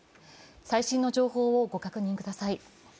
最新の情報をご確認ください。